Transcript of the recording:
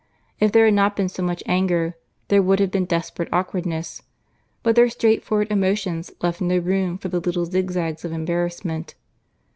If there had not been so much anger, there would have been desperate awkwardness; but their straightforward emotions left no room for the little zigzags of embarrassment.